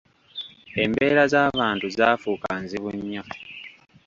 Embeera z’abantu zaafuuka nzibu nnyo.